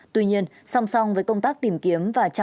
tuy nhiên song song với công tác tìm kiếm mạng nhân